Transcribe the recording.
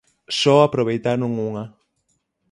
Só aproveitaron unha.